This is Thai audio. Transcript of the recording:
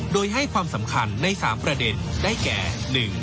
โดยให้ความสำคัญใน๓ประเด็นได้แก่